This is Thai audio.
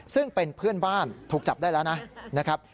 ซึ่งเป็นเพื่อนบ้านถูกจับได้แล้วนะครับ